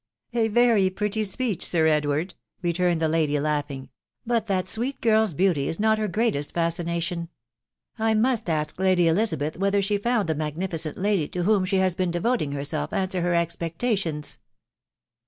"A very pretty speech, Sir Edward," returned the lady, laughing ;" but that sweet girl's beauty is not her greatest fascination. I must ask Lady Elizabeth whether she found the magnificent lady to whom she has been devoting herself answer her expectations."